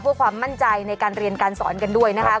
เพื่อความมั่นใจในการเรียนการสอนกันด้วยนะคะ